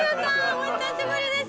お久しぶりです！